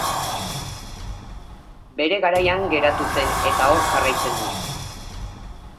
Bere garaian geratu zen eta hor jarraitzen du.